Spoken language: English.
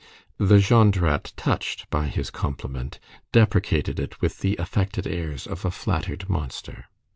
The Jondrette, touched by his compliment, deprecated it with the affected airs of a flattered monster.